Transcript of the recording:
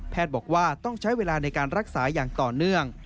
บอกว่าต้องใช้เวลาในการรักษาอย่างต่อเนื่อง